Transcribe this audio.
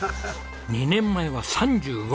２年前は３５分。